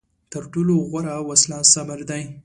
تر ټولو غوره وسله صبر دی.